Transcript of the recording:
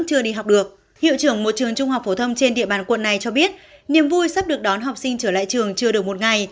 chưa đi học được hiệu trưởng một trường trung học phổ thông trên địa bàn quận này cho biết niềm vui sắp được đón học sinh trở lại trường chưa được một ngày